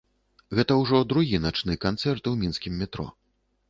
Гэта ўжо другі начны канцэрт у мінскім метро.